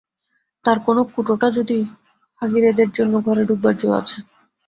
তার কোনো কুটোটা যদি হাঘিরেদের জন্যে ঘরে ঢুকবার জো আছে!